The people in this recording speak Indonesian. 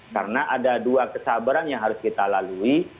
karena ada dua kesabaran yang harus kita lalui